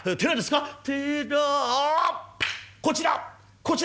こちら！